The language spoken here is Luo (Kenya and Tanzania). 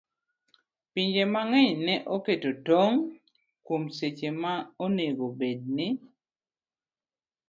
Pinje mang'eny ne oketo tong' kuom seche monego obed ni